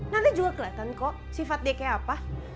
nanti juga keliatan kok sifat dia kayak apa